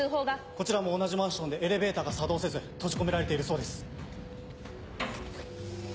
こちらも同じマンションでエレベーターが作動せず閉じ込められているそうです。